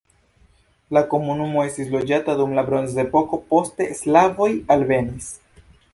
La komunumo estis loĝata dum la bronzepoko, poste slavoj alvenis.